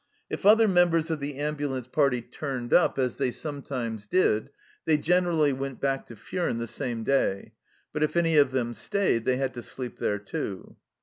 If other members of the am bulance party turned up, as they sometimes did, they generally went back to Fumes the same day, but if any of them stayed they had to sleep there too.